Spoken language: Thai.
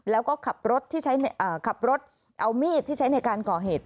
แล้วก็ขับรถเอามีดที่ใช้ในการก่อเหตุ